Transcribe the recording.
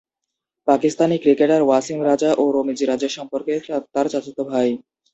Pakistani cricketer Wasim Raja ও রমিজ রাজা সম্পর্কে তার চাচাতো ভাই।